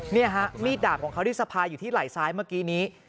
นี่ฮะมีดดาบของเขาที่สะพายอยู่ที่ไหล่ซ้ายเมื่อกี้นี้